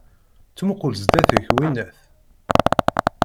Ttmuqul zdat-k, winnat!